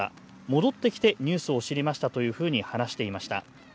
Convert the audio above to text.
戻ってきてニュースを知りましたというふうに話していました。